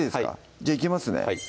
じゃあいきますね